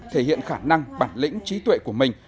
thể hiện khả năng bản lĩnh trí tuệ của mình